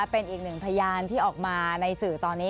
เป็นอีกหนึ่งพยานที่ออกมาในสื่อตอนนี้